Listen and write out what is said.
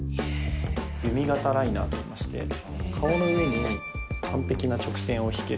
弓形ライナーといいまして顔の上に完璧な直線を引ける道具になってます。